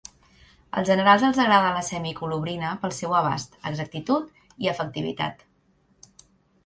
Als generals els agrada la semicolobrina pel seu abast, exactitud i efectivitat.